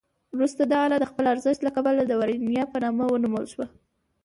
وروسته دا آله د خپل ارزښت له کبله د ورنیه په نامه ونومول شوه.